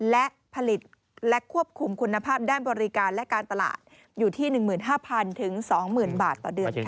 และผลิตและควบคุมคุณภาพด้านบริการและการตลาดอยู่ที่๑๕๐๐๒๐๐๐บาทต่อเดือนค่ะ